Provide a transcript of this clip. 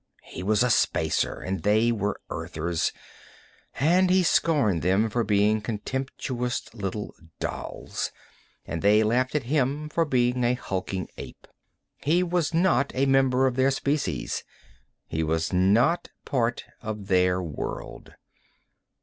He was a Spacer, and they were Earthers, and he scorned them for being contemptuous little dolls, and they laughed at him for being a hulking ape. He was not a member of their species; he was not part of their world.